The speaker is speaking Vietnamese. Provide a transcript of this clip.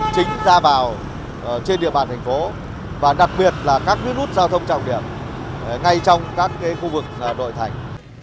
chính ra vào trên địa bàn thành phố và đặc biệt là các nút giao thông trọng điểm ngay trong các khu vực nội thành